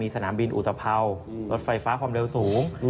สนามบินอุตภัวร์รถไฟฟ้าความเร็วสูง